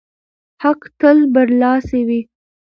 حق تل برلاسی وي.